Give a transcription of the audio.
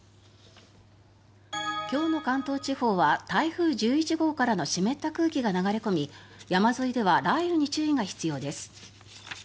今日の関東地方は台風１１号からの湿った空気が流れ込み山沿いでは雷雨に注意が必要です。